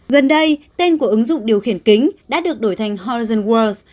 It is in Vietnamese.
gần đây tên của ứng dụng điều khiển kính đã được đổi thành horizon worlds